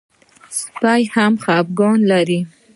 سپي هم خپګان لري.